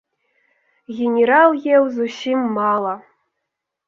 Генерал еў зусім мала.